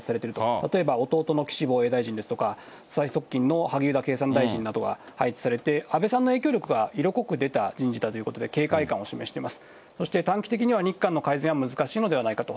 例えば弟の岸防衛大臣とか、最側近の萩生田経産大臣などが配置されて、安倍さんの影響力が色濃く出た人事だということで、警戒感が出ています。